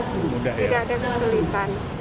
tidak ada kesulitan